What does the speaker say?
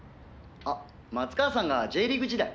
「あ松川さんがＪリーグ時代？」